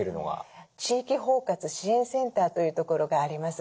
地域包括支援センターというところがあります。